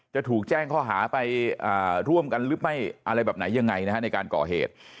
จะถูกแจ้งข้อหาไปร่วมกันหรือไม่อะไรแบบไหนยังไงในการก่อเหตุ